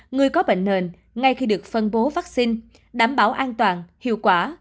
người có bệnh nền ngay khi được phân bố vaccine đảm bảo an toàn hiệu quả